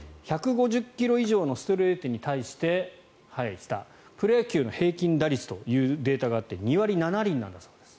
１５０ｋｍ以上のストレートに対してプロ野球の平均打率というデータがあって２割７厘なんだそうです。